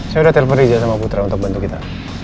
saya udah telpon aja sama putra untuk bantu kita